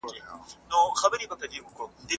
ماشوم به له مودې راهیسې زده کړه کړې وي.